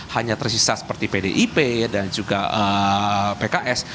hanya tersisa seperti pdip dan juga pks